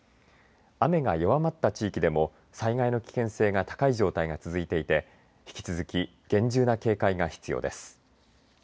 雨が弱まった地域でも災害の危険性が高い状態が続いていて引き続き厳重な警戒が必要です。